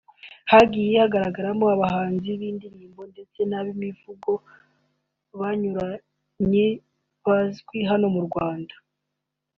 hagiye hagaragaramo abahanzi b’indirimbo ndetse n’ab’imivugo banyuranye bazwi hano mu Rwanda